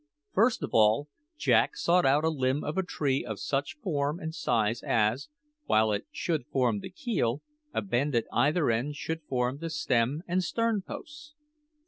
First of all, Jack sought out a limb of a tree of such a form and size as, while it should form the keel, a bend at either end should form the stem and stern posts.